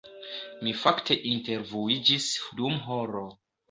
Mi fakte intervuiĝis dum horo